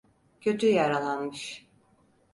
Kötü yaralanmış.